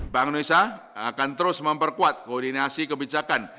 bank indonesia akan terus memperkuat koordinasi kebijakan